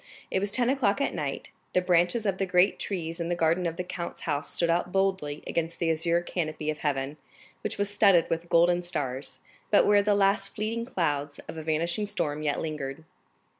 It was ten o'clock at night; the branches of the great trees in the garden of the count's house stood out boldly against the azure canopy of heaven, which was studded with golden stars, but where the last fleeting clouds of a vanishing storm yet lingered.